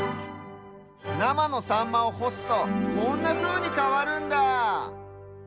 なまのサンマをほすとこんなふうにかわるんだ！